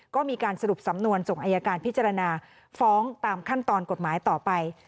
ก็มีการสรุปสำนวนส่งอายการพิจารณาฟ้องตามขั้นตอนกฎหมายต่อไป